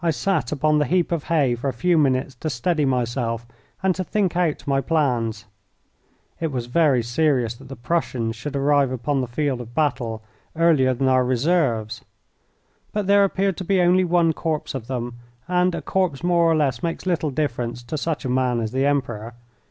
I sat upon the heap of hay for a few minutes to steady myself and to think out my plans. It was very serious that the Prussians should arrive upon the field of battle earlier than our reserves, but there appeared to be only one corps of them, and a corps more or less makes little difference to such a man as the Emperor.